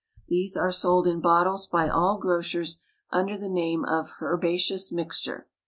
(These, are sold in bottles by all grocers under the name of "Herbaceous Mixture.")